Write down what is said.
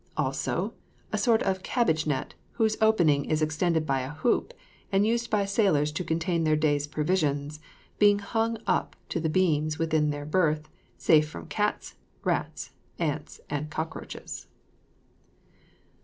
Also, a sort of cabbage net, whose opening is extended by a hoop, and used by sailors to contain their day's provisions, being hung up to the beams within their berth, safe from cats, rats, ants, and cockroaches.